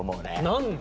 何で？